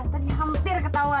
tadi hampir ketauan tau gak